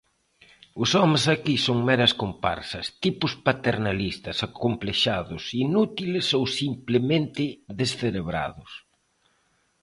Os homes aquí son meras comparsas, tipos paternalistas, acomplexados, inútiles ou simplemente descerebrados.